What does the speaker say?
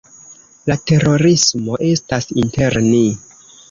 La terorismo estas inter ni.